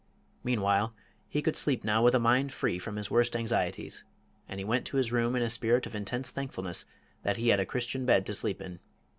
Meanwhile he could sleep now with a mind free from his worst anxieties, and he went to his room in a spirit of intense thankfulness that he had a Christian bed to sleep in.